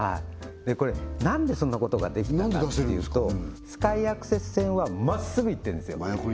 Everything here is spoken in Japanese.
これ何でそんなことができたかというとスカイアクセス線はまっすぐ行ってるんですよ